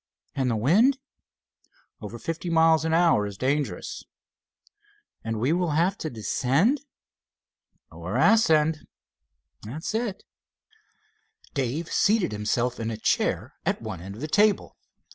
"And the wind?" "Over fifty miles an hour is dangerous." "And we will have to descend?" "Or ascend, that's it." Dave seated himself in a chair at one end of the table.